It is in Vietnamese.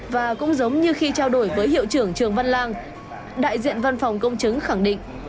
và cũng giống như khi trao đổi với hiệu trưởng trường văn lang đại diện văn phòng công chứng khẳng định